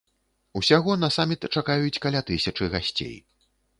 Усяго на саміт чакаюць каля тысячы гасцей.